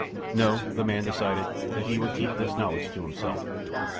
No, the man decided that he would keep this knowledge to himself.